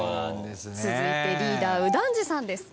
続いてリーダー右團次さんです。